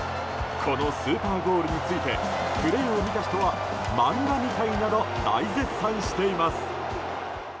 このスーパーゴールについてプレーを見た人は漫画みたいなど大絶賛しています。